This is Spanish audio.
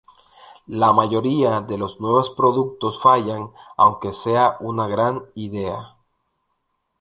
La mayoría de los nuevos productos fallan, aunque sea una gran idea.